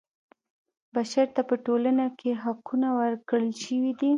بشر ته په ټولنه کې حقونه ورکړل شوي دي.